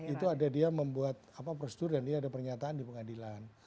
itu ada dia membuat prosedur dan dia ada pernyataan di pengadilan